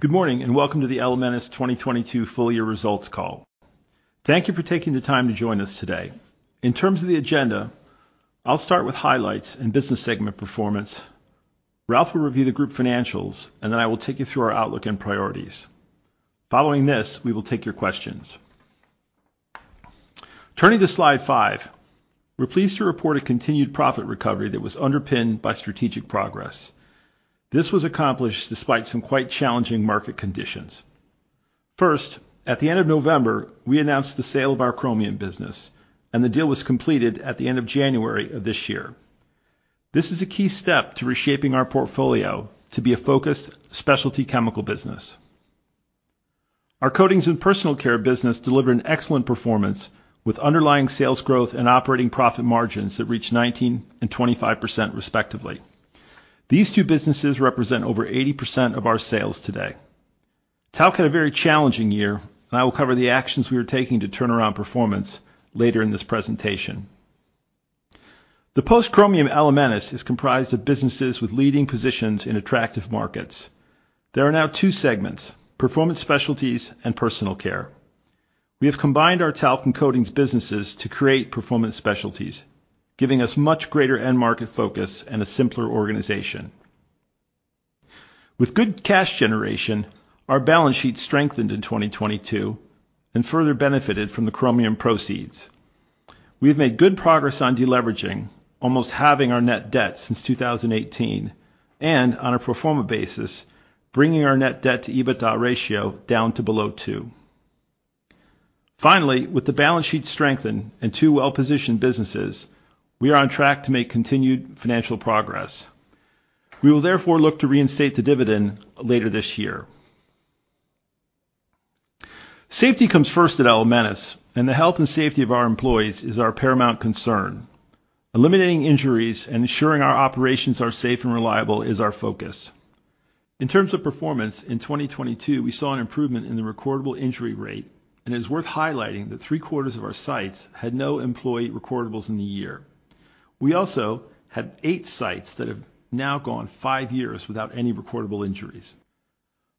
Good morning, welcome to the Elementis 2022 Full Year Results Call. Thank you for taking the time to join us today. In terms of the agenda, I'll start with highlights and business segment performance. Ralph will review the group financials, and then I will take you through our outlook and priorities. Following this, we will take your questions. Turning to slide five, we're pleased to report a continued profit recovery that was underpinned by strategic progress. This was accomplished despite some quite challenging market conditions. First, at the end of November, we announced the sale of our Chromium business, and the deal was completed at the end of January of this year. This is a key step to reshaping our portfolio to be a focused specialty chemical business. Our Coatings and Personal Care business delivered an excellent performance with underlying sales growth and operating profit margins that reached 19% and 25%, respectively. These two businesses represent over 80% of our sales today. Talc had a very challenging year. I will cover the actions we are taking to turn around performance later in this presentation. The post-Chromium Elementis is comprised of businesses with leading positions in attractive markets. There are now two segments, Performance Specialties and Personal Care. We have combined our Talc and Coatings businesses to create Performance Specialties, giving us much greater end market focus and a simpler organization. With good cash generation, our balance sheet strengthened in 2022 and further benefited from the Chromium proceeds. We have made good progress on deleveraging, almost halving our net debt since 2018, and on a pro forma basis, bringing our net debt to EBITDA ratio down to below two. With the balance sheet strengthened and two well-positioned businesses, we are on track to make continued financial progress. We will therefore look to reinstate the dividend later this year. Safety comes first at Elementis, and the health and safety of our employees is our paramount concern. Eliminating injuries and ensuring our operations are safe and reliable is our focus. In terms of performance, in 2022, we saw an improvement in the recordable injury rate, and it is worth highlighting that three-quarters of our sites had no employee recordables in the year. We also had eight sites that have now gone five years without any recordable injuries.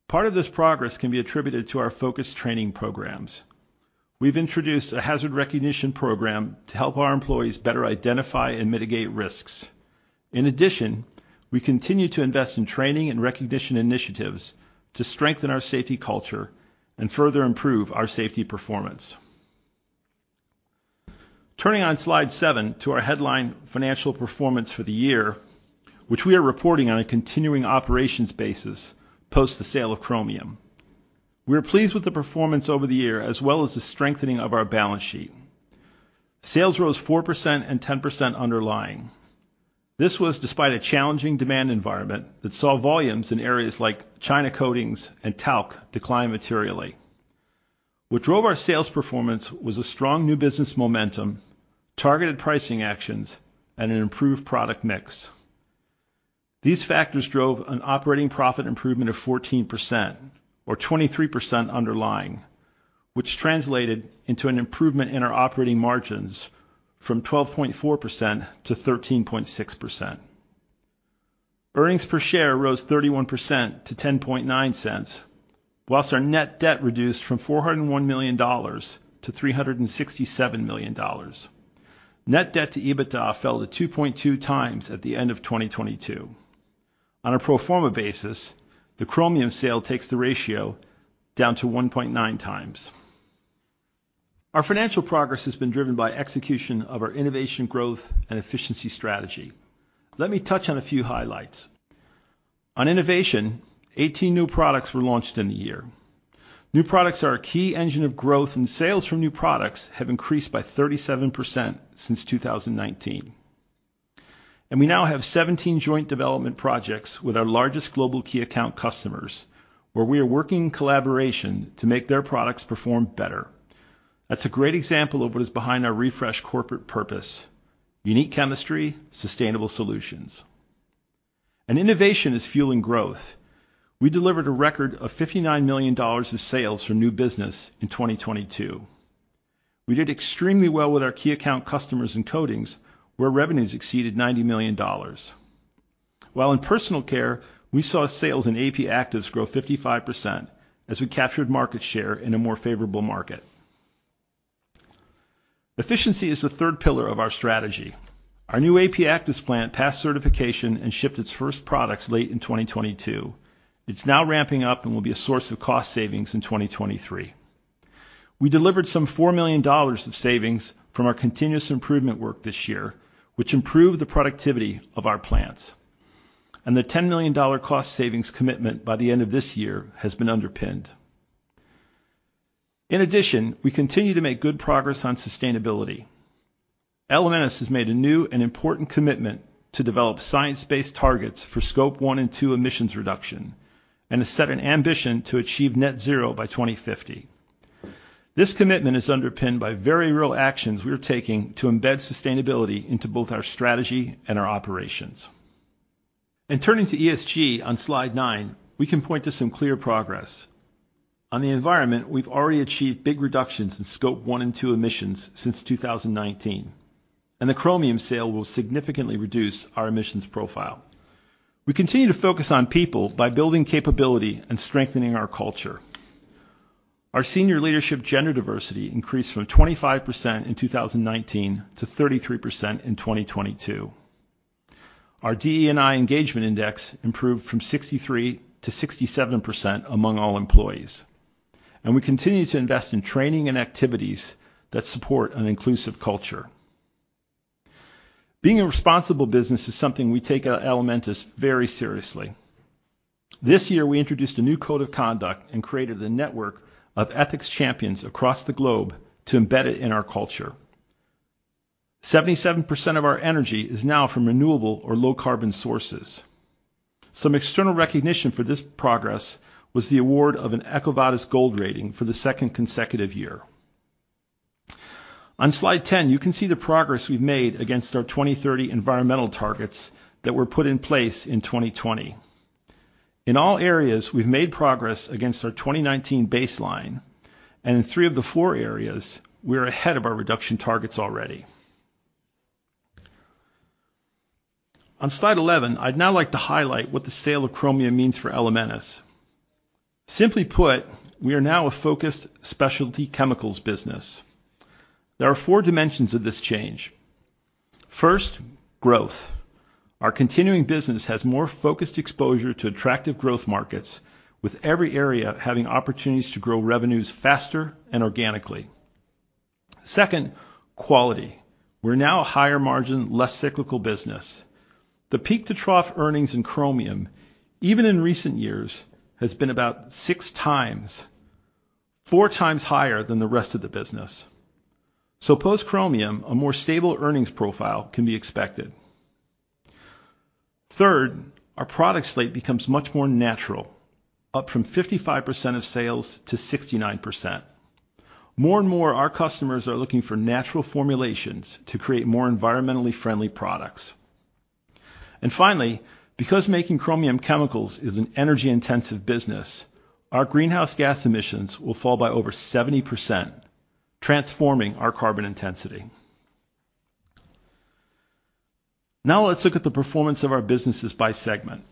Part of this progress can be attributed to our focused training programs. We've introduced a hazard recognition program to help our employees better identify and mitigate risks. In addition, we continue to invest in training and recognition initiatives to strengthen our safety culture and further improve our safety performance. Turning on slide seven to our headline financial performance for the year, which we are reporting on a continuing operations basis post the sale of Chromium. We are pleased with the performance over the year as well as the strengthening of our balance sheet. Sales rose 4% and 10% underlying. This was despite a challenging demand environment that saw volumes in areas like China Coatings and Talc decline materially. What drove our sales performance was a strong new business momentum, targeted pricing actions, and an improved product mix. These factors drove an operating profit improvement of 14% or 23% underlying, which translated into an improvement in our operating margins from 12.4%-13.6%. Earnings per share rose 31% to $0.109, whilst our net debt reduced from $401 million-$367 million. Net debt to EBITDA fell to 2.2x at the end of 2022. On a pro forma basis, the Chromium sale takes the ratio down to 1.9x. Our financial progress has been driven by execution of our innovation, growth, and efficiency strategy. Let me touch on a few highlights. On innovation, 18 new products were launched in the year. New products are a key engine of growth, sales from new products have increased by 37% since 2019. We now have 17 joint development projects with our largest global key account customers, where we are working in collaboration to make their products perform better. That's a great example of what is behind our refreshed corporate purpose: unique chemistry, sustainable solutions. Innovation is fueling growth. We delivered a record of $59 million of sales for new business in 2022. We did extremely well with our key account customers in Coatings, where revenues exceeded $90 million. While in Personal Care, we saw sales in AP Actives grow 55% as we captured market share in a more favorable market. Efficiency is the third pillar of our strategy. Our new AP actives plant passed certification and shipped its first products late in 2022. It's now ramping up and will be a source of cost savings in 2023. We delivered some $4 million of savings from our continuous improvement work this year, which improved the productivity of our plants. The $10 million cost savings commitment by the end of this year has been underpinned. In addition, we continue to make good progress on sustainability. Elementis has made a new and important commitment to develop science-based targets for Scope 1 and 2 emissions reduction and has set an ambition to achieve net zero by 2050. This commitment is underpinned by very real actions we are taking to embed sustainability into both our strategy and our operations. Turning to ESG on slide nine, we can point to some clear progress. On the environment, we've already achieved big reductions in Scope 1 and 2 emissions since 2019. The Chromium sale will significantly reduce our emissions profile. We continue to focus on people by building capability and strengthening our culture. Our senior leadership gender diversity increased from 25% in 2019 to 33% in 2022. Our DE&I engagement index improved from 63%-67% among all employees. We continue to invest in training and activities that support an inclusive culture. Being a responsible business is something we take at Elementis very seriously. This year we introduced a new code of conduct and created a network of ethics champions across the globe to embed it in our culture. 77% of our energy is now from renewable or low carbon sources. Some external recognition for this progress was the award of an EcoVadis Gold rating for the second consecutive year. On slide 10, you can see the progress we've made against our 2030 environmental targets that were put in place in 2020. In all areas, we've made progress against our 2019 baseline, and in three of the four areas, we're ahead of our reduction targets already. On slide 11, I'd now like to highlight what the sale of Chromium means for Elementis. Simply put, we are now a focused specialty chemicals business. There are four dimensions of this change. First, growth. Our continuing business has more focused exposure to attractive growth markets, with every area having opportunities to grow revenues faster and organically. Second, quality. We're now a higher margin, less cyclical business. The peak to trough earnings in Chromium, even in recent years, has been about 6x, 4x higher than the rest of the business. Post-Chromium, a more stable earnings profile can be expected. Third, our product slate becomes much more natural, up from 55% of sales to 69%. More and more, our customers are looking for natural formulations to create more environmentally friendly products. Finally, because making Chromium chemicals is an energy-intensive business, our greenhouse gas emissions will fall by over 70%, transforming our carbon intensity. Now let's look at the performance of our businesses by segment.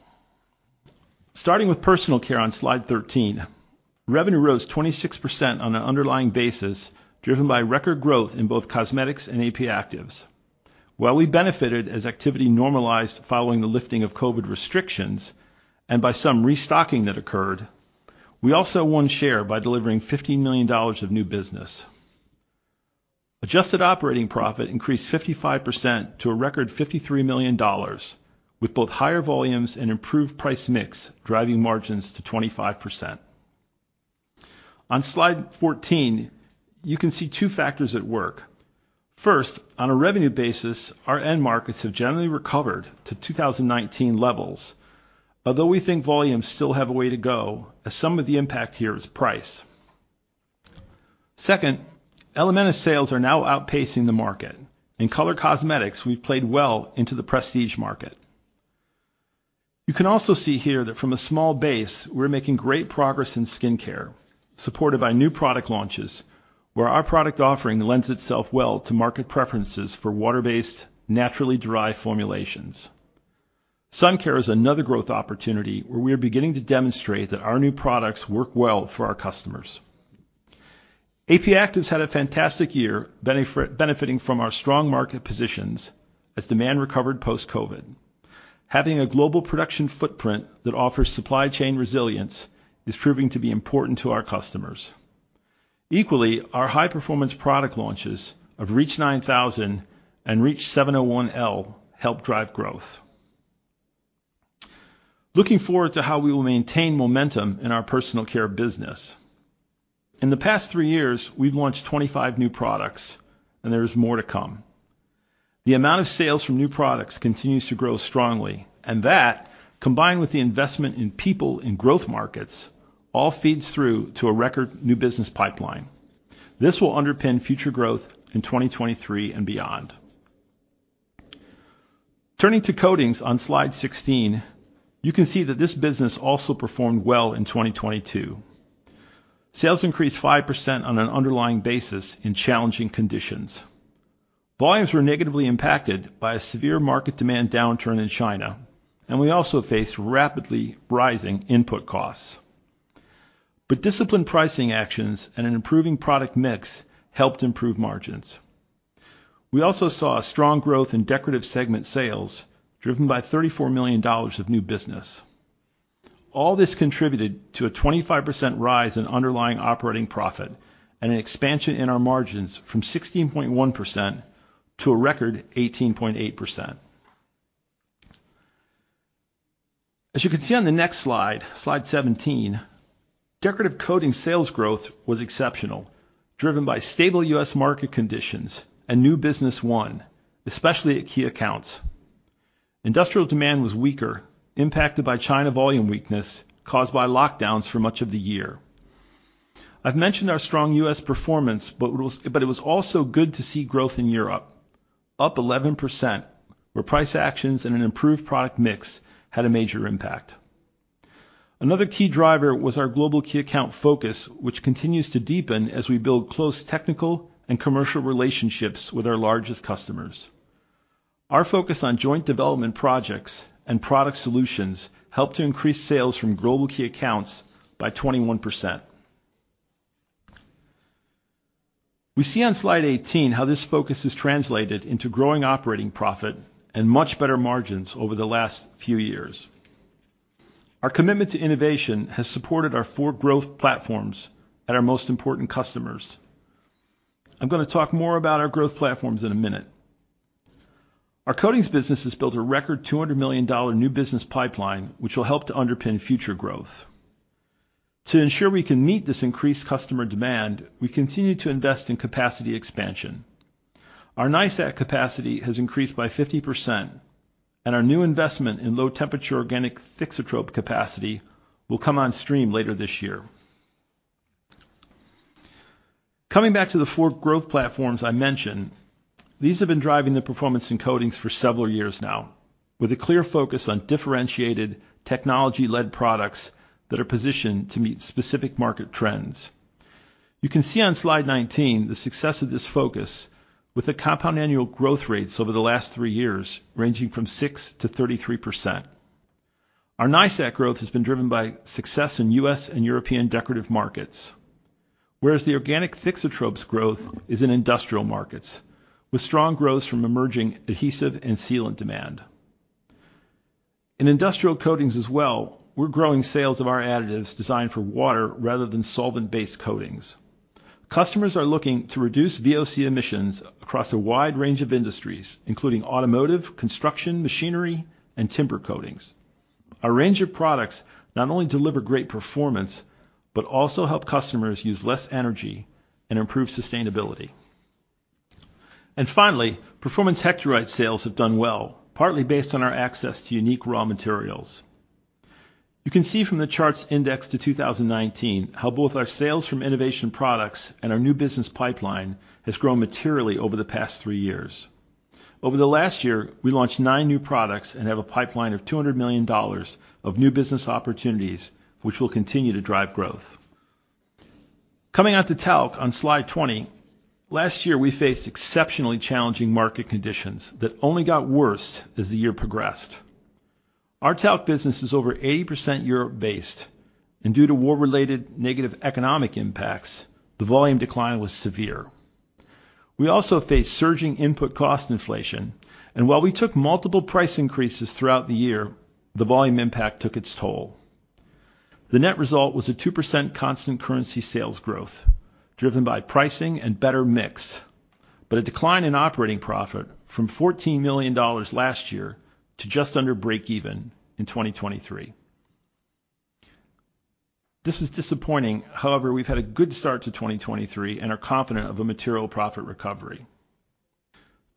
Starting with Personal Care on Slide 13, revenue rose 26% on an underlying basis, driven by record growth in both cosmetics and AP Actives. While we benefited as activity normalized following the lifting of COVID restrictions and by some restocking that occurred, we also won share by delivering $15 million of new business. Adjusted operating profit increased 55% to a record $53 million, with both higher volumes and improved price mix driving margins to 25%. On Slide 14, you can see two factors at work. First, on a revenue basis, our end markets have generally recovered to 2019 levels. Although we think volumes still have a way to go, as some of the impact here is price. Second, Elementis sales are now outpacing the market. In color cosmetics, we've played well into the prestige market. You can also see here that from a small base, we're making great progress in skincare, supported by new product launches, where our product offering lends itself well to market preferences for water-based, naturally derived formulations. Sun care is another growth opportunity where we are beginning to demonstrate that our new products work well for our customers. AP actives had a fantastic year benefiting from our strong market positions as demand recovered post-COVID. Having a global production footprint that offers supply chain resilience is proving to be important to our customers. Equally, our high-performance product launches of REACH 9000 and REACH 701L helped drive growth. Looking forward to how we will maintain momentum in our Personal Care business. In the past three years, we've launched 25 new products, and there is more to come. The amount of sales from new products continues to grow strongly, and that, combined with the investment in people in growth markets, all feeds through to a record new business pipeline. This will underpin future growth in 2023 and beyond. Turning to Coatings on slide 16, you can see that this business also performed well in 2022. Sales increased 5% on an underlying basis in challenging conditions. Volumes were negatively impacted by a severe market demand downturn in China, and we also faced rapidly rising input costs. Disciplined pricing actions and an improving product mix helped improve margins. We also saw a strong growth in decorative segment sales driven by $34 million of new business. All this contributed to a 25% rise in underlying operating profit and an expansion in our margins from 16.1% to a record 18.8%. You can see on the next slide, slide 17, decorative coating sales growth was exceptional, driven by stable U.S. Market conditions and new business won, especially at key accounts. Industrial demand was weaker, impacted by China volume weakness caused by lockdowns for much of the year. I've mentioned our strong U.S. performance, it was also good to see growth in Europe. Up 11%, where price actions and an improved product mix had a major impact. Another key driver was our global key account focus, which continues to deepen as we build close technical and commercial relationships with our largest customers. Our focus on joint development projects and product solutions helped to increase sales from global key accounts by 21%. We see on slide 18 how this focus has translated into growing operating profit and much better margins over the last few years. Our commitment to innovation has supported our four growth platforms at our most important customers. I'm gonna talk more about our growth platforms in a minute. Our Coatings business has built a record $200 million new business pipeline, which will help to underpin future growth. To ensure we can meet this increased customer demand, we continue to invest in capacity expansion. Our NiSAT capacity has increased by 50%, and our new investment in low temperature organic thixotrope capacity will come on stream later this year. Coming back to the four growth platforms I mentioned, these have been driving the performance in Coatings for several years now, with a clear focus on differentiated technology-led products that are positioned to meet specific market trends. You can see on slide 19 the success of this focus with the compound annual growth rates over the last three years ranging from 6%-33%. Our NiSAT growth has been driven by success in U.S. and European decorative markets. Whereas the organic thixotropes growth is in industrial markets, with strong growth from emerging adhesive and sealant demand. In industrial Coatings as well, we're growing sales of our additives designed for water rather than solvent-based Coatings. Customers are looking to reduce VOC emissions across a wide range of industries, including automotive, construction, machinery, and timber Coatings. Our range of products not only deliver great performance, but also help customers use less energy and improve sustainability. Finally, performance hectorite sales have done well, partly based on our access to unique raw materials. You can see from the charts indexed to 2019 how both our sales from innovation products and our new business pipeline has grown materially over the past three years. Over the last year, we launched nine new products and have a pipeline of $200 million of new business opportunities, which will continue to drive growth. Coming on to Talc on slide 20, last year, we faced exceptionally challenging market conditions that only got worse as the year progressed. Our Talc business is over 80% Europe-based, and due to war-related negative economic impacts, the volume decline was severe. We also faced surging input cost inflation, and while we took multiple price increases throughout the year, the volume impact took its toll. The net result was a 2% constant currency sales growth, driven by pricing and better mix. A decline in operating profit from $14 million last year to just under break even in 2023. This is disappointing. We've had a good start to 2023 and are confident of a material profit recovery.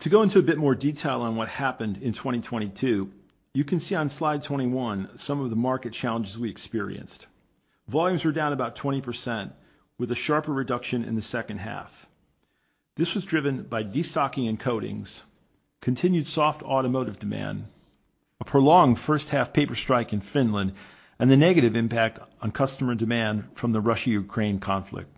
To go into a bit more detail on what happened in 2022, you can see on slide 21 some of the market challenges we experienced. Volumes were down about 20%, with a sharper reduction in the second half. This was driven by destocking in Coatings, continued soft automotive demand, a prolonged first half paper strike in Finland, and the negative impact on customer demand from the Russia-Ukraine conflict.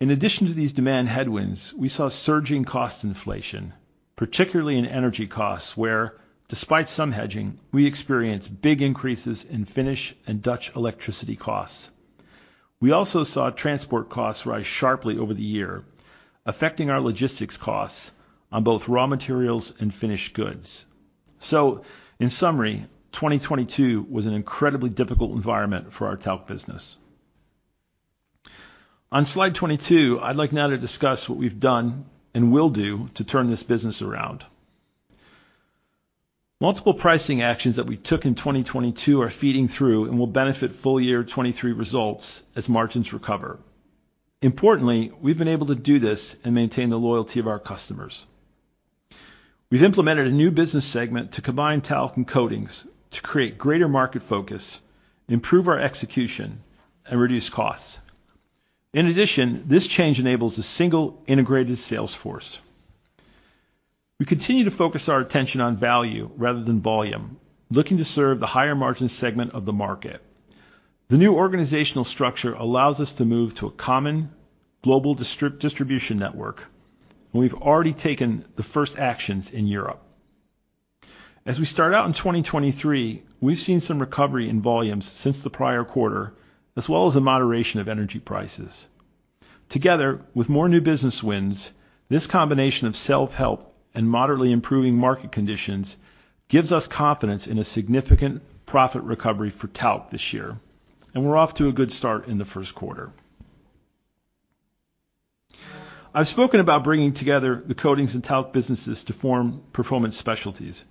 In addition to these demand headwinds, we saw surging cost inflation, particularly in energy costs, where, despite some hedging, we experienced big increases in Finnish and Dutch electricity costs. We also saw transport costs rise sharply over the year, affecting our logistics costs on both raw materials and finished goods. In summary, 2022 was an incredibly difficult environment for our Talc business. On slide 22, I'd like now to discuss what we've done and will do to turn this business around. Multiple pricing actions that we took in 2022 are feeding through and will benefit full year 2023 results as margins recover. Importantly, we've been able to do this and maintain the loyalty of our customers. We've implemented a new business segment to combine Talc and Coatings to create greater market focus, improve our execution, and reduce costs. In addition, this change enables a single integrated sales force. We continue to focus our attention on value rather than volume, looking to serve the higher margin segment of the market. The new organizational structure allows us to move to a common global distribution network. We've already taken the first actions in Europe. As we start out in 2023, we've seen some recovery in volumes since the prior quarter, as well as a moderation of energy prices. Together, with more new business wins, this combination of self-help and moderately improving market conditions gives us confidence in a significant profit recovery for Talc this year, and we're off to a good start in the first quarter. I've spoken about bringing together the Coatings and Talc businesses to form Performance Specialties.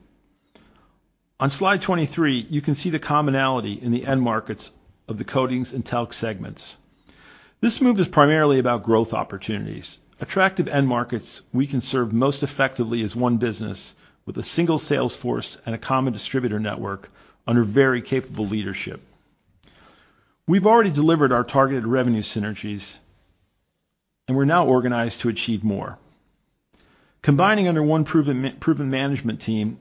On slide 23, you can see the commonality in the end markets of the Coatings and Talc segments. This move is primarily about growth opportunities, attractive end markets we can serve most effectively as one business with a single sales force and a common distributor network under very capable leadership. We've already delivered our targeted revenue synergies, we're now organized to achieve more. Combining under one proven management team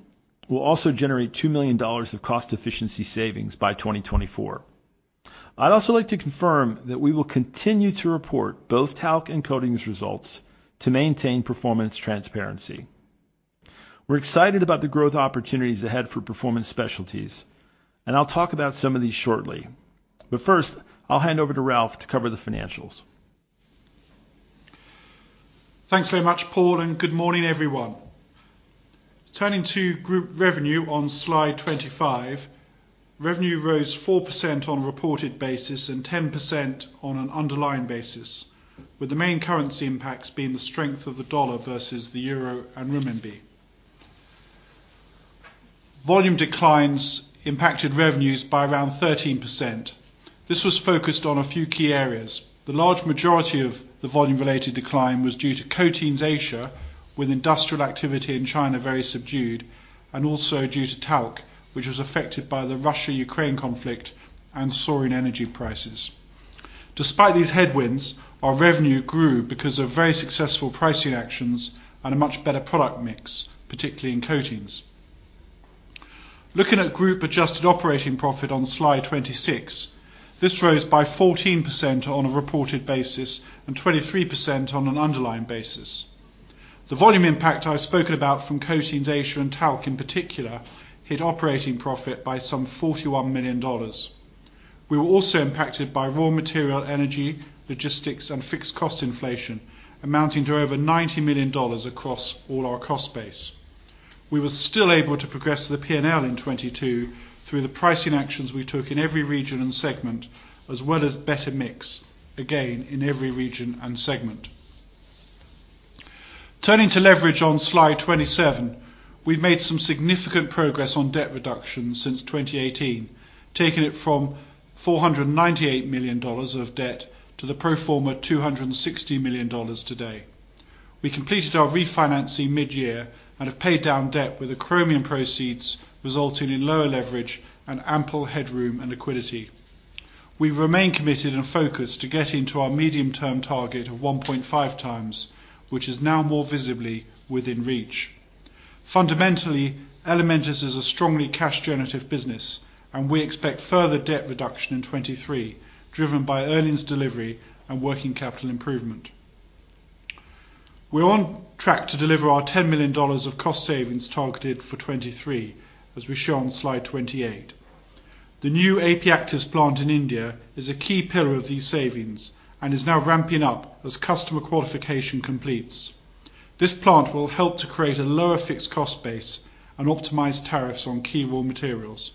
will also generate $2 million of cost efficiency savings by 2024. I'd also like to confirm that we will continue to report both Talc and Coatings results to maintain performance transparency. We're excited about the growth opportunities ahead for Performance Specialties, and I'll talk about some of these shortly. First, I'll hand over to Ralph to cover the financials. Thanks very much, Paul, and good morning, everyone. Turning to group revenue on slide 25. Revenue rose 4% on a reported basis and 10% on an underlying basis, with the main currency impacts being the strength of the dollar versus the euro and renminbi. Volume declines impacted revenues by around 13%. This was focused on a few key areas. The large majority of the volume related decline was due to Coatings Asia, with industrial activity in China very subdued, and also due to Talc, which was affected by the Russia-Ukraine conflict and soaring energy prices. Despite these headwinds, our revenue grew because of very successful pricing actions and a much better product mix, particularly in Coatings. Looking at group adjusted operating profit on slide 26, this rose by 14% on a reported basis and 23% on an underlying basis. The volume impact I've spoken about from Coatings Asia and Talc, in particular, hit operating profit by some $41 million. We were also impacted by raw material, energy, logistics, and fixed cost inflation, amounting to over $90 million across all our cost base. We were still able to progress the P&L in 2022 through the pricing actions we took in every region and segment, as well as better mix, again, in every region and segment. Turning to leverage on slide 27. We've made some significant progress on debt reduction since 2018, taking it from $498 million of debt to the pro forma $260 million today. We completed our refinancing mid-year and have paid down debt with the Chromium proceeds, resulting in lower leverage and ample headroom and liquidity. We remain committed and focused to get into our medium-term target of 1.5x, which is now more visibly within reach. Fundamentally, Elementis is a strongly cash generative business, and we expect further debt reduction in 2023, driven by earnings delivery and working capital improvement. We're on track to deliver our $10 million of cost savings targeted for 2023, as we show on slide 28. The new AP actives plant in India is a key pillar of these savings and is now ramping up as customer qualification completes. This plant will help to create a lower fixed cost base and optimize tariffs on key raw materials.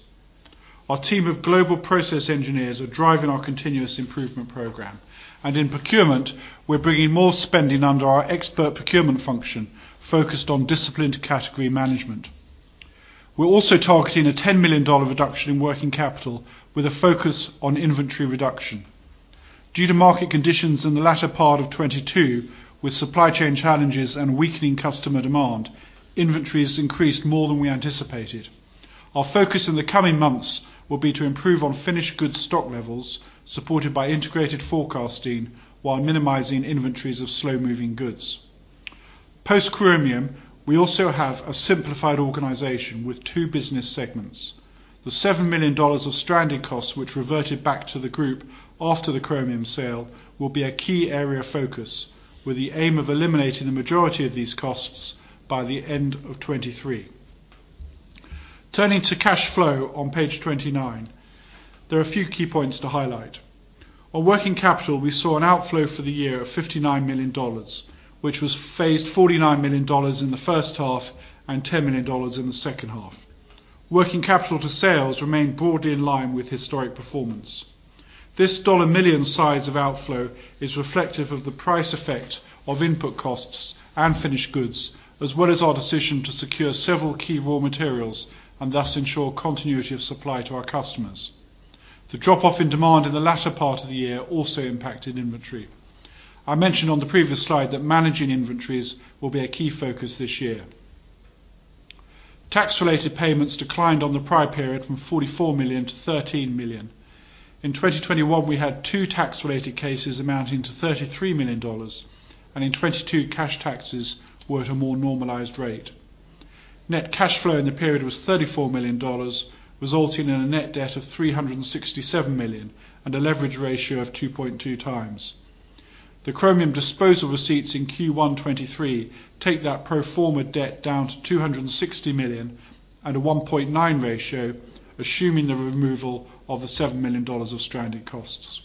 Our team of global process engineers are driving our continuous improvement program. In procurement, we're bringing more spending under our expert procurement function, focused on disciplined category management. We're also targeting a $10 million reduction in working capital with a focus on inventory reduction. Due to market conditions in the latter part of 2022, with supply chain challenges and weakening customer demand, inventory has increased more than we anticipated. Our focus in the coming months will be to improve on finished goods stock levels, supported by integrated forecasting, while minimizing inventories of slow-moving goods. Post-Chromium, we also have a simplified organization with two business segments. The $7 million of stranded costs which reverted back to the group after the Chromium sale will be a key area of focus, with the aim of eliminating the majority of these costs by the end of 2023. Turning to cash flow on page 29, there are a few key points to highlight. On working capital, we saw an outflow for the year of $59 million, which was phased $49 million in the first half and $10 million in the second half. Working capital to sales remained broadly in line with historic performance. This dollar million size of outflow is reflective of the price effect of input costs and finished goods, as well as our decision to secure several key raw materials and thus ensure continuity of supply to our customers. The drop-off in demand in the latter part of the year also impacted inventory. I mentioned on the previous slide that managing inventories will be a key focus this year. Tax-related payments declined on the prior period from $44 million-$13 million. In 2021, we had two tax-related cases amounting to $33 million, and in 2022, cash taxes were at a more normalized rate. Net cash flow in the period was $34 million, resulting in a net debt of $367 million and a leverage ratio of 2.2x. The Chromium disposal receipts in Q1 2023 take that pro forma debt down to $260 million and a 1.9 ratio, assuming the removal of the $7 million of stranded costs.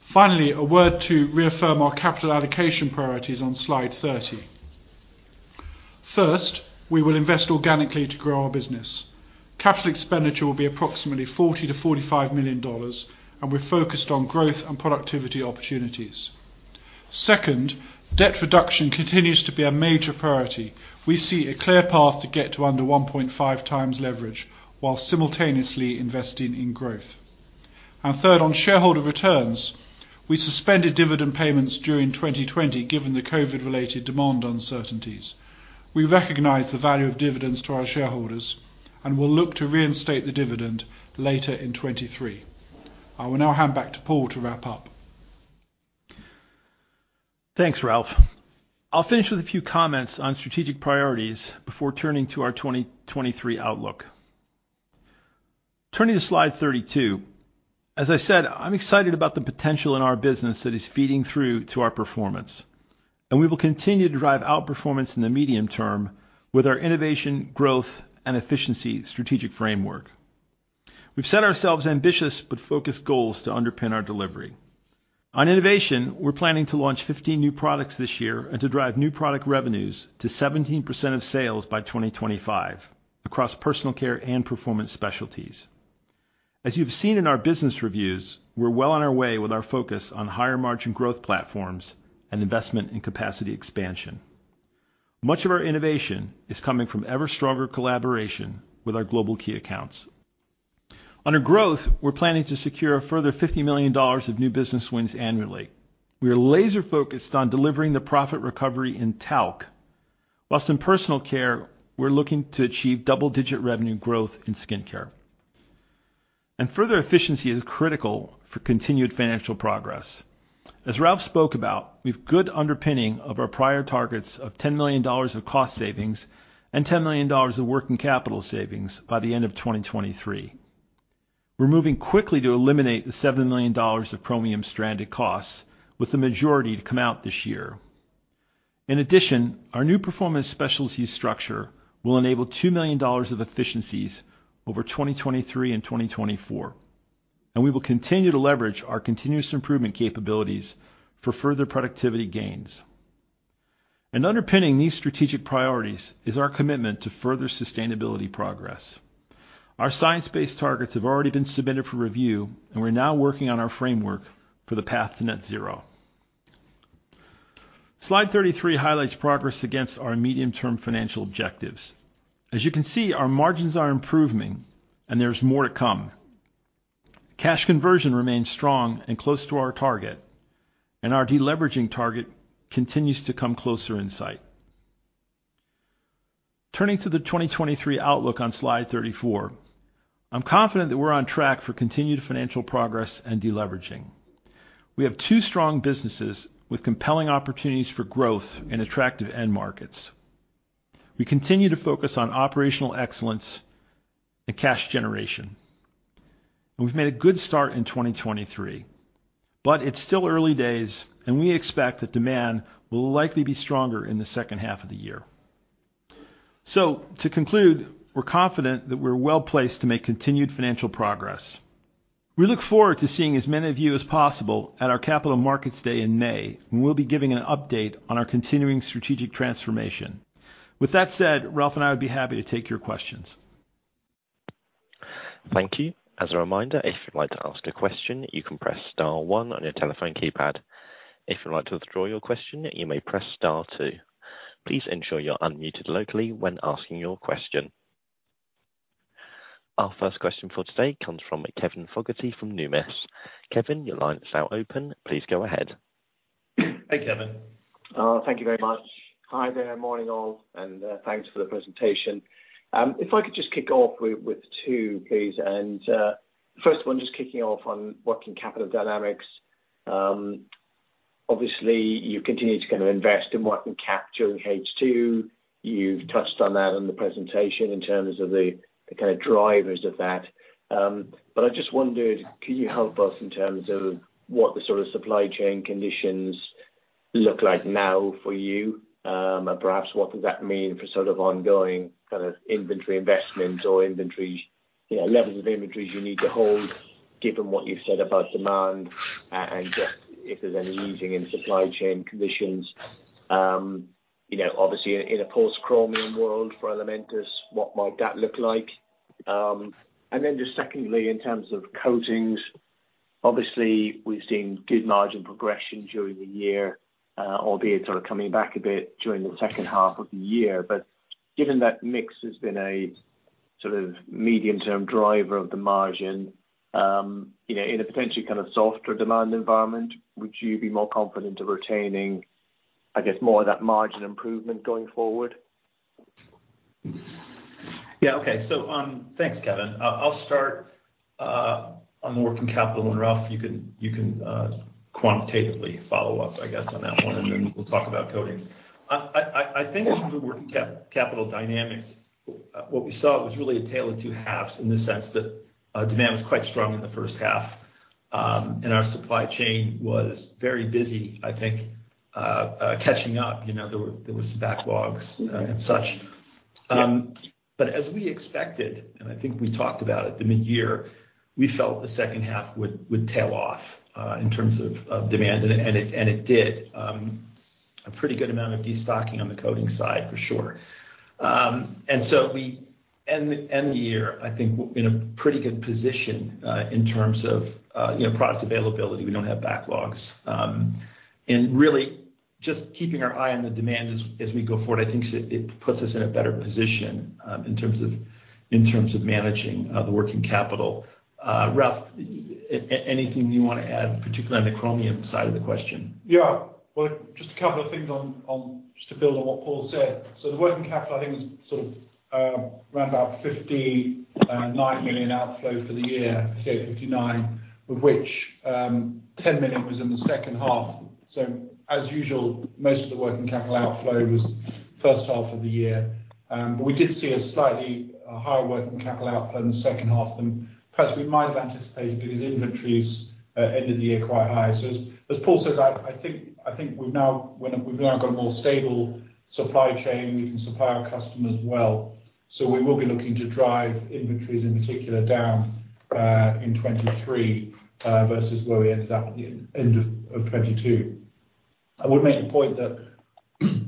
Finally, a word to reaffirm our capital allocation priorities on slide 30. First, we will invest organically to grow our business. Capital expenditure will be approximately $40 million-$45 million, we're focused on growth and productivity opportunities. Second, debt reduction continues to be a major priority. We see a clear path to get to under 1.5x leverage while simultaneously investing in growth. Third, on shareholder returns. We suspended dividend payments during 2020, given the COVID-related demand uncertainties. We recognize the value of dividends to our shareholders. We'll look to reinstate the dividend later in 2023. I will now hand back to Paul to wrap up. Thanks, Ralph. I'll finish with a few comments on strategic priorities before turning to our 2023 outlook. Turning to slide 32, as I said, I'm excited about the potential in our business that is feeding through to our performance, we will continue to drive outperformance in the medium term with our innovation, growth, and efficiency strategic framework. We've set ourselves ambitious but focused goals to underpin our delivery. On innovation, we're planning to launch 15 new products this year and to drive new product revenues to 17% of sales by 2025 across Personal Care and Performance Specialties. As you've seen in our business reviews, we're well on our way with our focus on higher margin growth platforms and investment in capacity expansion. Much of our innovation is coming from ever stronger collaboration with our global key accounts. Under growth, we're planning to secure a further $50 million of new business wins annually. We are laser-focused on delivering the profit recovery in Talc, whilst in Personal Care we're looking to achieve double-digit revenue growth in skincare. Further efficiency is critical for continued financial progress. As Ralph spoke about, we've good underpinning of our prior targets of $10 million of cost savings and $10 million of working capital savings by the end of 2023. We're moving quickly to eliminate the $7 million of Chromium stranded costs with the majority to come out this year. In addition, our new Performance Specialties structure will enable $2 million of efficiencies over 2023 and 2024, and we will continue to leverage our continuous improvement capabilities for further productivity gains. Underpinning these strategic priorities is our commitment to further sustainability progress. Our science-based targets have already been submitted for review, and we're now working on our framework for the path to net zero. Slide 33 highlights progress against our medium-term financial objectives. As you can see, our margins are improving and there's more to come. Cash conversion remains strong and close to our target, and our deleveraging target continues to come closer in sight. Turning to the 2023 outlook on slide 34, I'm confident that we're on track for continued financial progress and deleveraging. We have two strong businesses with compelling opportunities for growth in attractive end markets. We continue to focus on operational excellence and cash generation, and we've made a good start in 2023, but it's still early days, and we expect that demand will likely be stronger in the second half of the year. To conclude, we're confident that we're well-placed to make continued financial progress. We look forward to seeing as many of you as possible at our Capital Markets Day in May, when we'll be giving an update on our continuing strategic transformation. With that said, Ralph and I would be happy to take your questions. Thank you. As a reminder, if you'd like to ask a question, you can press star one on your telephone keypad. If you'd like to withdraw your question, you may press star two. Please ensure you're unmuted locally when asking your question. Our first question for today comes from Kevin Fogarty from Numis. Kevin, your line is now open. Please go ahead. Hey, Kevin. Thank you very much. Hi there. Morning, all, thanks for the presentation. If I could just kick off with two, please. First one, just kicking off on working capital dynamics. Obviously you continue to kind of invest in working capital in H2. You've touched on that in the presentation in terms of the kind of drivers of that. I just wondered, can you help us in terms of what the sort of supply chain conditions look like now for you? Perhaps what does that mean for sort of ongoing, kind of inventory investment or inventory, you know, levels of inventories you need to hold given what you've said about demand and just if there's any easing in supply chain conditions? You know, obviously in a post-Chromium world for Elementis, what might that look like? Just secondly, in terms of Coatings, obviously we've seen good margin progression during the year, albeit sort of coming back a bit during the second half of the year. Given that mix has been a sort of medium-term driver of the margin, you know, in a potentially kind of softer demand environment, would you be more confident of retaining, I guess, more of that margin improvement going forward? Okay. Thanks, Kevin. I'll start on the working capital, Ralph, you can quantitatively follow up, I guess, on that one, and then we'll talk about Coatings. I think in terms of working capital dynamics, what we saw was really a tale of two halves in the sense that demand was quite strong in the first half, and our supply chain was very busy, I think, catching up. You know, there were backlogs and such. As we expected, and I think we talked about at the mid-year, we felt the second half would tail off in terms of demand, and it did, a pretty good amount of destocking on the Coatings side for sure. We end the year, I think, in a pretty good position, in terms of, you know, product availability. We don't have backlogs, and really Just keeping our eye on the demand as we go forward, I think it puts us in a better position, in terms of, in terms of managing, the working capital. Ralph, anything you wanna add, particularly on the Chromium side of the question? Well, just a couple of things on, just to build on what Paul said. The working capital I think was sort of, round about $59 million outflow for the year. $59, of which, $10 million was in the second half. As usual, most of the working capital outflow was first half of the year. But we did see a slightly higher working capital outflow in the second half than perhaps we might have anticipated because inventories ended the year quite high. As Paul says, I think we've now when we've now got a more stable supply chain, we can supply our customers well. We will be looking to drive inventories in particular down in 2023 versus where we ended up at the end of 2022. I would make the point that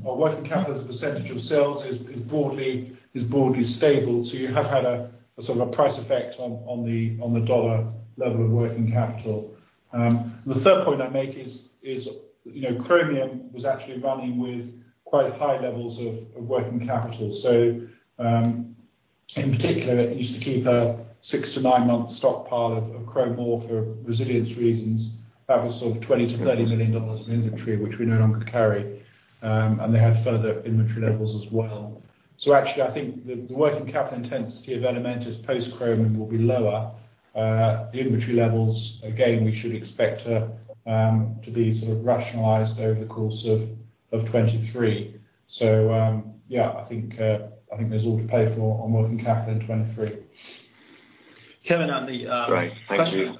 our working capital as a percentage of sales is broadly stable. You have had a sort of a price effect on the dollar level of working capital. The third point I make is, you know, Chromium was actually running with quite high levels of working capital. In particular, it used to keep a six to nine-month stockpile of chrome ore for resilience reasons. That was sort of $20 million-$30 million of inventory, which we no longer carry. They had further inventory levels as well. Actually I think the working capital intensity of Elementis post-Chromium will be lower. The inventory levels, again, we should expect to be sort of rationalized over the course of 2023. Yeah, I think, I think there's all to play for on working capital in 2023. Kevin, on the. Right. Thank you.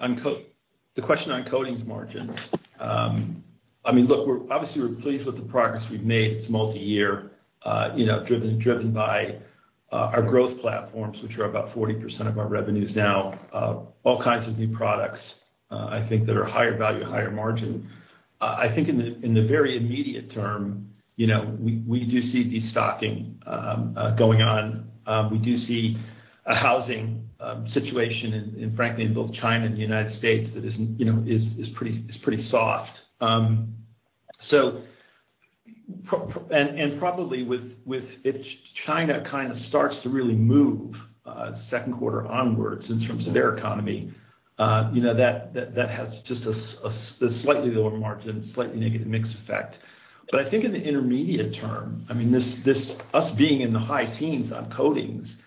The question on Coatings margins. I mean, look, obviously we're pleased with the progress we've made. It's multi-year, you know, driven by our growth platforms, which are about 40% of our revenues now. All kinds of new products, I think that are higher value, higher margin. I think in the very immediate term, you know, we do see destocking going on. We do see a housing situation in frankly in both China and the United States that you know, is pretty soft. Probably with if China kind of starts to really move, second quarter onwards in terms of their economy, you know, that, that has just a slightly lower margin, slightly negative mix effect. I think in the intermediate term, I mean, this us being in the high teens on Coatings,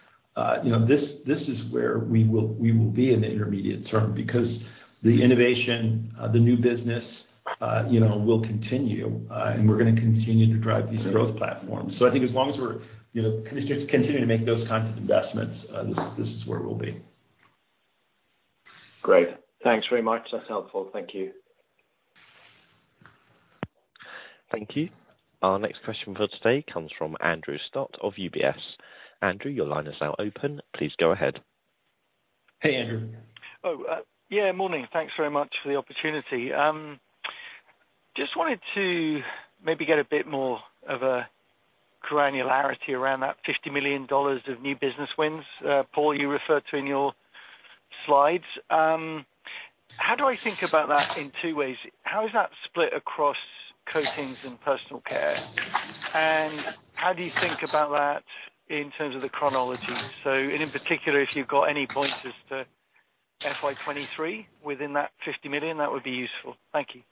you know, this is where we will, we will be in the intermediate term because the innovation, the new business, you know, will continue, and we're gonna continue to drive these growth platforms. I think as long as we're, you know, continue to make those kinds of investments, this is where we'll be. Great. Thanks very much. That's helpful. Thank you. Thank you. Our next question for today comes from Andrew Stott of UBS. Andrew, your line is now open. Please go ahead. Hey, Andrew. Yeah, morning. Thanks very much for the opportunity. Just wanted to maybe get a bit more of a granularity around that $50 million of new business wins, Paul, you referred to in your slides. How do I think about that in two ways? How is that split across Coatings and Personal Care? How do you think about that in terms of the chronology? In particular, if you've got any pointers to FY 2023 within that $50 million, that would be useful. Thank you.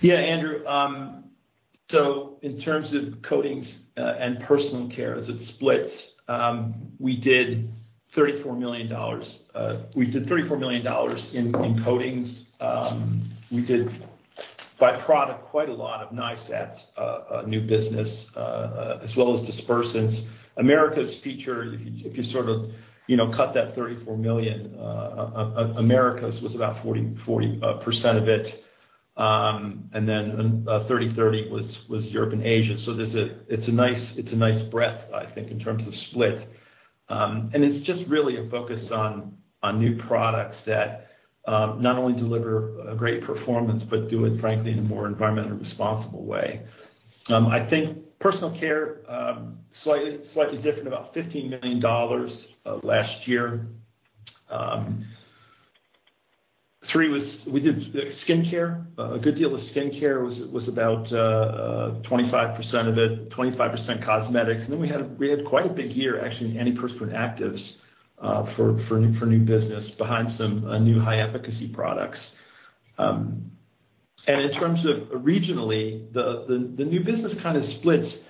Yeah, Andrew. In terms of Coatings and Personal Care as it splits, we did $34 million. We did $34 million in Coatings. We did by product quite a lot of NiSATs, new business, as well as dispersants. Americas feature, if you sort of, you know, cut that $34 million, Americas was about 40% of it. 30-30 was Europe and Asia. It's a nice breadth, I think, in terms of split. It's just really a focus on new products that not only deliver a great performance, but do it frankly in a more environmentally responsible way. I think Personal Care, slightly different, about $15 million last year. Three we did skincare. A good deal of skincare was about 25% of it, 25% cosmetics. Then we had quite a big year actually in antiperspirant actives for new business behind some new high efficacy products. In terms of regionally, the new business kind of splits.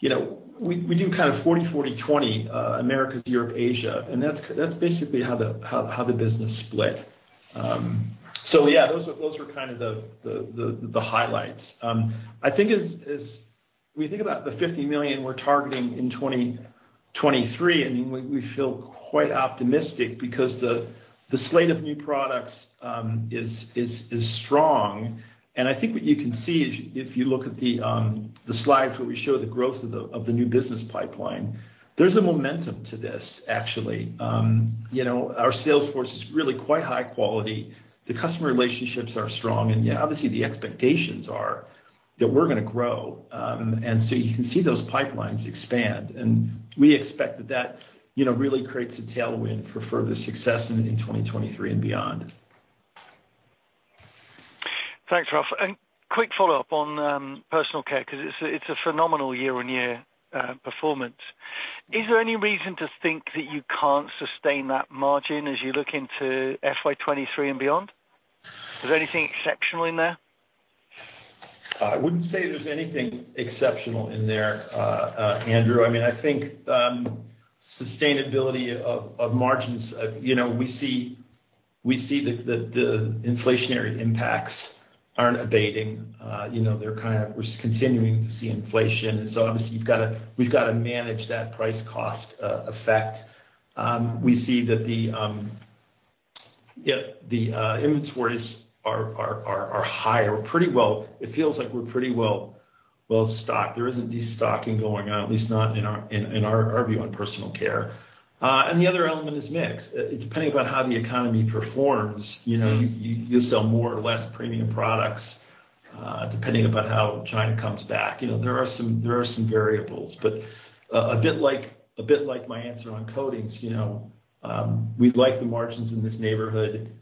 You know, we do kind of 40, 20, Americas, Europe, Asia, and that's basically how the business split. Yeah, those are kind of the highlights. I think as we think about the $50 million we're targeting in 2023, I mean, we feel quite optimistic because the slate of new products is strong. I think what you can see if you look at the slides where we show the growth of the new business pipeline, there's a momentum to this actually. You know, our sales force is really quite high quality. The customer relationships are strong. Yeah, obviously the expectations are that we're gonna grow. So you can see those pipelines expand, and we expect that that, you know, really creates a tailwind for further success in 2023 and beyond. Thanks, Paul. Quick follow-up on, Personal Care 'cause it's a phenomenal year-on-year, performance. Is there any reason to think that you can't sustain that margin as you look into FY 2023 and beyond? Is there anything exceptional in there? I wouldn't say there's anything exceptional in there, Andrew. I mean, I think, sustainability of margins of, you know, we see the inflationary impacts aren't abating. You know, we're continuing to see inflation. Obviously we've gotta manage that price cost effect. We see that the inventories are higher. It feels like we're pretty well-stocked. There isn't de-stocking going on, at least not in our view on Personal Care. The other element is mix. Depending upon how the economy performs, you know, you sell more or less premium products, depending upon how China comes back. You know, there are some variables. A bit like my answer on coatings, you know, we'd like the margins in this neighborhood.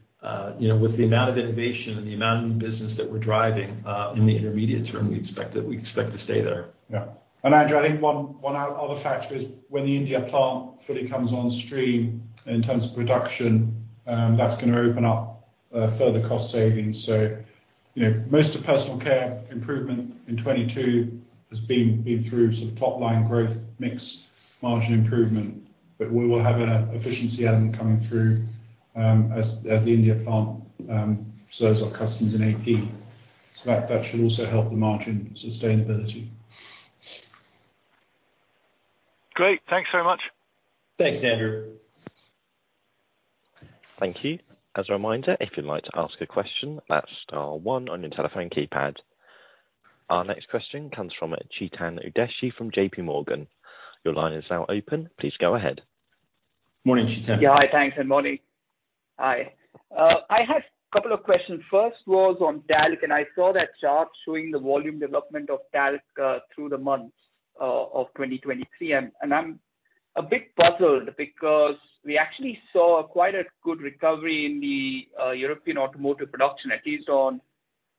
You know, with the amount of innovation and the amount of new business that we're driving, in the intermediate term, we expect to stay there. Yeah. Andrew, I think one other factor is when the India plant fully comes on stream in terms of production, that's gonna open up further cost savings. You know, most of Personal Care improvement in 2022 has been through sort of top line growth, mix margin improvement. We will have a efficiency element coming through as the India plant serves our customers in AP. That should also help the margin sustainability. Great. Thanks very much. Thanks, Andrew. Thank you. As a reminder, if you'd like to ask a question, that's star one on your telephone keypad. Our next question comes from Chetan Udeshi from JP Morgan. Your line is now open. Please go ahead. Morning, Chetan. Yeah. Hi. Thanks, and morning. Hi. I have couple of questions. First was on Talc, and I saw that chart showing the volume development of Talc through the months of 2023. I'm a bit puzzled because we actually saw quite a good recovery in the European automotive production, at least on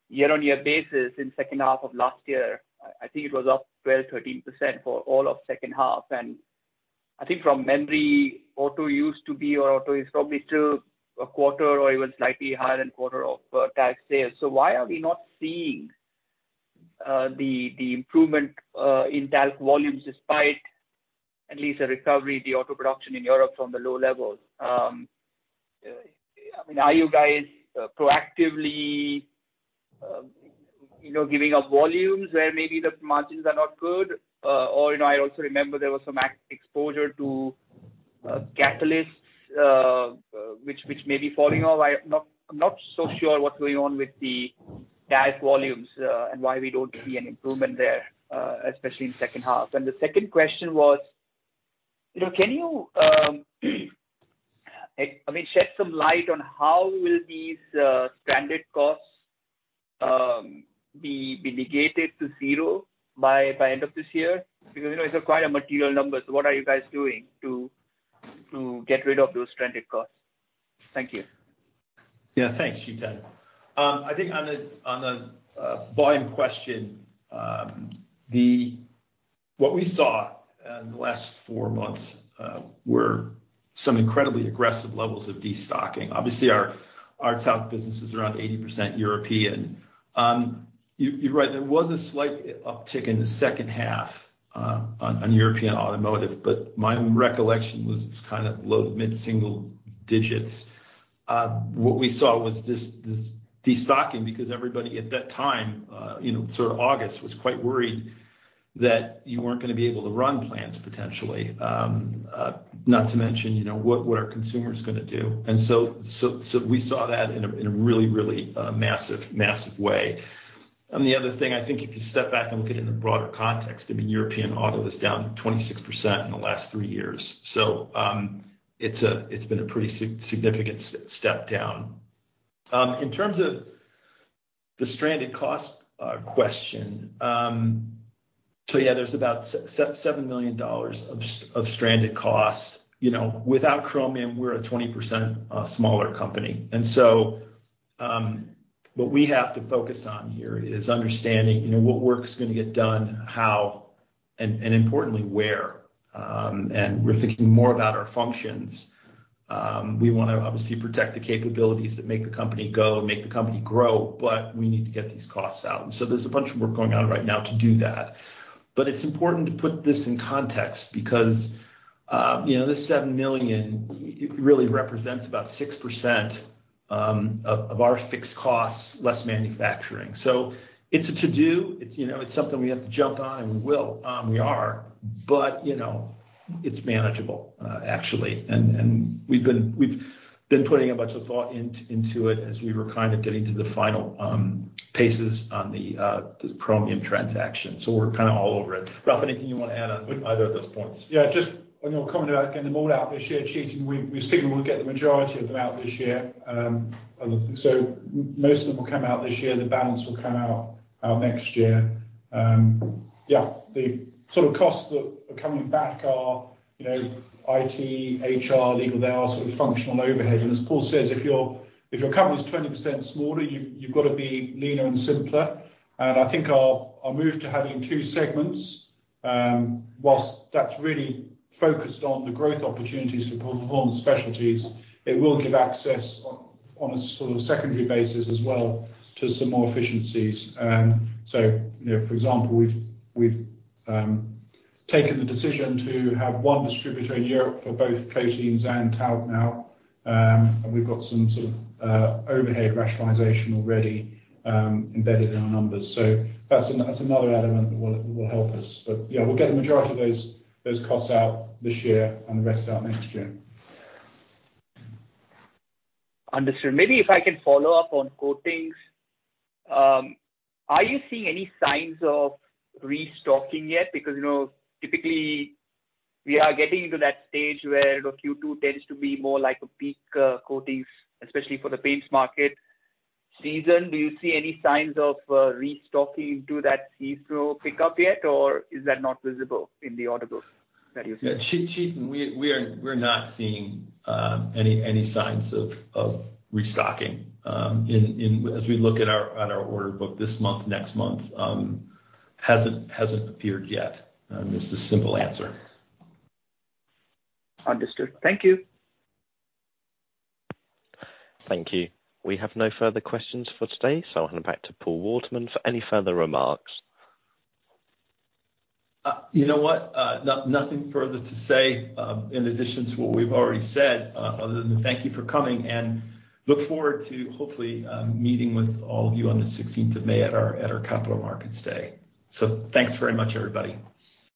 year-on-year basis in second half of last year. I think it was up 12%, 13% for all of second half. I think from memory, auto used to be, or auto is probably still a quarter or even slightly higher than quarter of Talc sales. Why are we not seeing the improvement in Talc volumes despite at least a recovery in the auto production in Europe from the low levels? I mean, are you guys, proactively, you know, giving up volumes where maybe the margins are not good? You know, I also remember there was some exposure to catalysts, which may be falling off. I am not so sure what's going on with the Talc volumes, and why we don't see an improvement there, especially in second half. The second question was, you know, can you, I mean, shed some light on how will these stranded costs be negated to zero by end of this year? You know, it's quite a material number. What are you guys doing to get rid of those stranded costs? Thank you. Yeah, thanks, Chetan. I think on the volume question, what we saw in the last 4 months were some incredibly aggressive levels of destocking. Obviously, our Talc business is around 80% European. You're right, there was a slight uptick in the second half on European automotive, but my recollection was it's kind of low to mid-single digits. What we saw was this destocking because everybody at that time, you know, sort of August, was quite worried that you weren't gonna be able to run plants potentially. Not to mention, you know, what are consumers gonna do? We saw that in a really, really massive way. The other thing, I think if you step back and look at it in a broader context, I mean, European auto is down 26% in the last three years. It's a, it's been a pretty significant step down. In terms of the stranded cost question, yeah, there's about $7 million of stranded costs. You know, without Chromium, we're a 20% smaller company. What we have to focus on here is understanding, you know, what work's gonna get done, how, and importantly where. We're thinking more about our functions. We wanna obviously protect the capabilities that make the company go and make the company grow, but we need to get these costs out. There's a bunch of work going on right now to do that. It's important to put this in context because, you know, this $7 million really represents about 6% of our fixed costs, less manufacturing. It's a to-do. It's, you know, it's something we have to jump on, and we will. We are. You know, it's manageable, actually. We've been putting a bunch of thought into it as we were kind of getting to the final paces on the Chromium transaction. We're kind of all over it. Ralph, anything you want to add on either of those points? Yeah, just, you know, coming back and the mold out this year, Chetan, we've signaled we'll get the majority of them out this year. So most of them will come out this year. The balance will come out next year. Yeah, the sort of costs that are coming back are, you know, IT, HR, legal. They are sort of functional overhead. As Paul says, if your company is 20% smaller, you've gotta be leaner and simpler. I think our move to having two segments, whilst that's really focused on the growth opportunities for Performance Specialties, it will give access on a sort of secondary basis as well to some more efficiencies. So you know, for example, we've taken the decision to have one distributor in Europe for both Coatings and Talc now. We've got some sort of overhead rationalization already embedded in our numbers. That's another element that will help us. We'll get the majority of those costs out this year and the rest out next year. Understood. Maybe if I can follow up on Coatings. Are you seeing any signs of restocking yet? You know, typically we are getting to that stage where, you know, Q2 tends to be more like a peak Coatings, especially for the paints market season. Do you see any signs of restocking into that season pick up yet, or is that not visible in the order book that you're seeing? Yeah, Chetan, we are, we're not seeing any signs of restocking as we look at our order book this month, next month, hasn't appeared yet. This is simple answer. Understood. Thank you. Thank you. We have no further questions for today. I'll hand back to Paul Waterman for any further remarks. You know what? nothing further to say, in addition to what we've already said, other than thank you for coming and look forward to hopefully, meeting with all of you on the sixteenth of May at our, at our Capital Markets Day. Thanks very much, everybody.